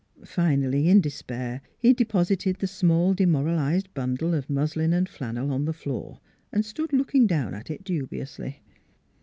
Finally in despair he deposited the small demoralized bundle of muslin and flannel on the floor, and stood looking down at it dubiously.